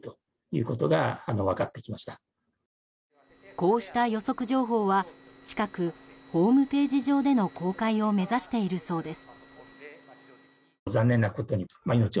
こうした予測情報は近くホームページ上での公開を目指しているそうです。